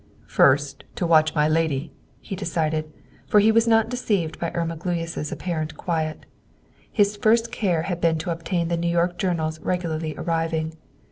"First, to watch my lady!" he decided, for he was not deceived by Irma Gluyas' apparent quiet. His first care had been to obtain the New York journals' regularly arriving.